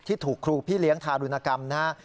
ถูกครูพี่เลี้ยงทารุณกรรมนะฮะ